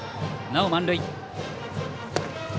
なお満塁。